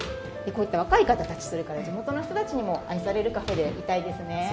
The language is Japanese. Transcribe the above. こういった若い方たちそれから地元の人たちにも愛されるカフェでいたいですね。